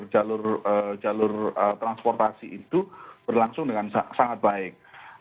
jalur jalur transportasi itu berlangsung dengan sangat baik